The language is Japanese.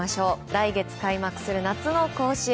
来月開幕する夏の甲子園。